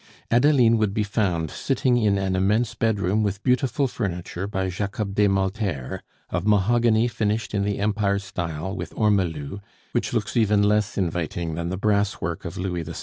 Adeline would be found sitting in an immense bedroom with beautiful furniture by Jacob Desmalters, of mahogany finished in the Empire style with ormolu, which looks even less inviting than the brass work of Louis XVI.!